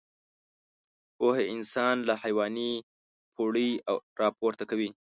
پوهه انسان له حيواني پوړۍ راپورته کوي.